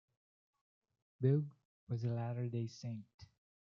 Beug was a Latter Day Saint.